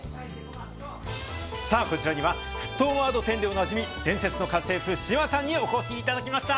さあ、こちらには沸騰ワード１０でおなじみ、伝説の家政婦、志麻さんにお越しいただきました。